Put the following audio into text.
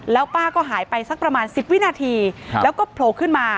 แล้วป้าก็หายไปสักประมาณ๑๐วินาทีแล้วก็โผล่ขึ้นมา